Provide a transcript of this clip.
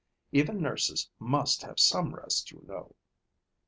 Even nurses must have some rest, you know."